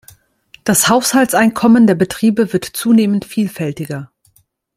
Das Haushaltseinkommen der Betriebe wird zunehmend vielfältiger.